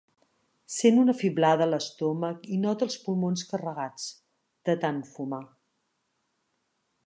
Sent una fiblada a l'estómac i nota els pulmons carregats, de tant fumar.